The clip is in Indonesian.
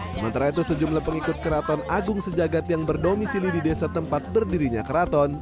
sementara itu sejumlah pengikut keraton agung sejagat yang berdomisili di desa tempat berdirinya keraton